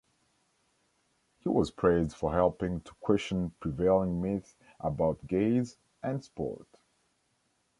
He was praised for helping to question prevailing myths about gays and sport.